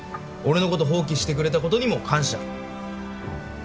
俺のこと放棄してくれたことにも感謝